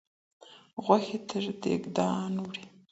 غوښي تر دېګدان وړي